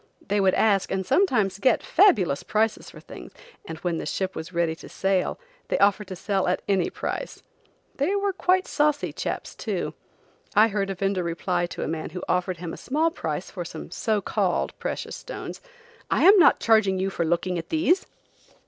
They would ask, and sometimes get, fabulous prices for things, and when the ship was ready to sail, they offered to sell at any price. They were quite saucy chaps, too. I heard a vender reply to a man who offered him a small price for some so called precious stones: "I am not charging you for looking at these."